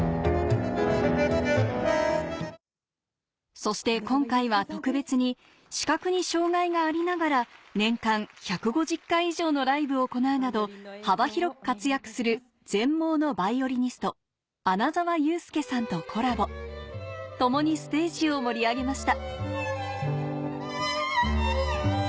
そして今回は特別に視覚に障がいがありながら年間１５０回以上のライブを行うなど幅広く活躍する全盲のバイオリニスト穴澤雄介さんとコラボ共にステージを盛り上げました